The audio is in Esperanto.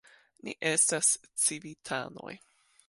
Ni estas civitanoj.